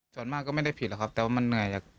ส่วนมากก็ไม่ได้ผิดหรอกครับแต่ว่ามันเหนื่อยจาก